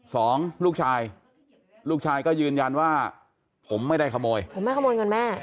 สองลูกชายลูกชายก็ยืนยันว่าผมไม่ได้ขโมยผมไม่ขโมยเงินแม่